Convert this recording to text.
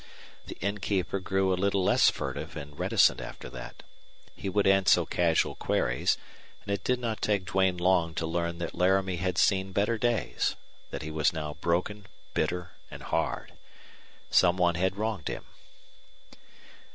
The innkeeper grew a little less furtive and reticent after that. He would answer casual queries, and it did not take Duane long to learn that Laramie had seen better days that he was now broken, bitter, and hard. Some one had wronged him.